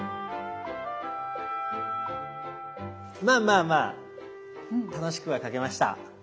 まあまあまあ楽しくは描けました。